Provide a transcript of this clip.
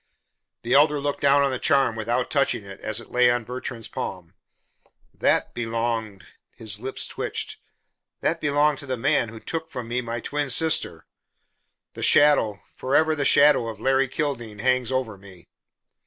The Elder looked down on the charm without touching it, as it lay on Bertrand's palm. "That belonged " his lips twitched "that belonged to the man who took from me my twin sister. The shadow forever the shadow of Larry Kildene hangs over me."